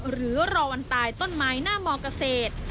หรือรอวันตายต้นไม้หน้ามเกษตร